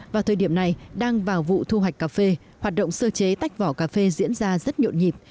vào thời điểm này đang vào vụ thu hoạch cà phê hoạt động sơ chế tách vỏ cà phê diễn ra rất nhộn nhịp